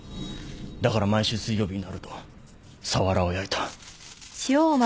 だから毎週水曜日になるとサワラを焼いた。